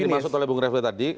ini dimaksud oleh bung refil tadi